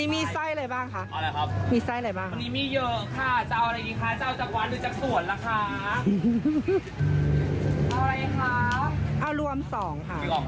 มีไซส์อะไรบ้าง